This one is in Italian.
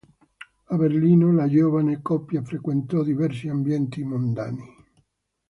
A Berlino la giovane coppia frequentò diversi ambienti mondani.